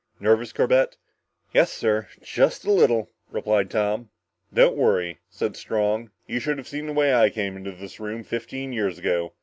"Nervous, Corbett?" "Yes, sir just a little," replied Tom. "Don't worry," said Strong. "You should have seen the way I came into this room fifteen years ago.